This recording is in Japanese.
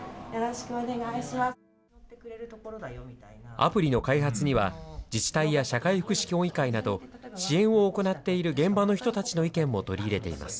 アプリの開発には、自治体や社会福祉協議会など支援を行っている現場の人たちの意見も取り入れています。